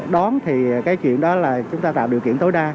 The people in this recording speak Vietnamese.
đón thì cái chuyện đó là chúng ta tạo điều kiện tối đa